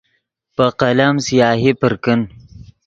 پے قلم سیاہی پر کن